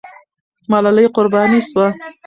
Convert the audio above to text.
ملالۍ قرباني سوه.